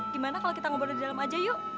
gimana kalo kita ngobrol di dalam aja yuk